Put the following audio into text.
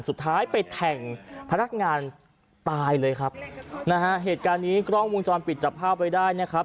สุดท้ายไปแทงพนักงานตายเลยครับนะฮะเหตุการณ์นี้กล้องวงจรปิดจับภาพไว้ได้นะครับ